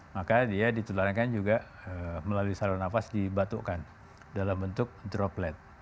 maka dia ditularkan juga melalui saluran nafas dibatukkan dalam bentuk droplet